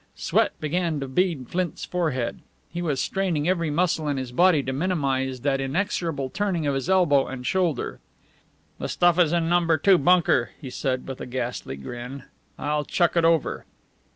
Sweat began to bead Flint's forehead. He was straining every muscle in his body to minimize that inexorable turning of his elbow and shoulder. "The stuff is in Number Two bunker," he said, with a ghastly grin. "I'll chuck it over."